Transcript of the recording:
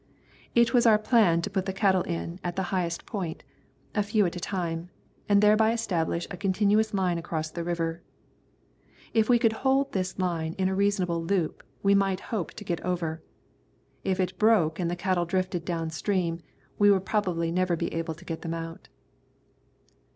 It was our plan to put the cattle in at the highest point, a few at a time, and thereby establish a continuous line across the river. If we could hold this line in a reasonable loop, we might hope to get over. If it broke and the cattle drifted down stream we would probably never be able to get them out.